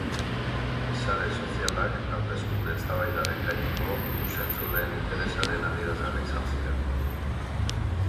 Sare sozialak hauteskunde eztabaidaren gaineko ikus-entzuleen interesaren adierazgarri izan ziren.